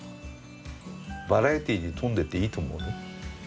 バラエティーに富んでていいと思うよ。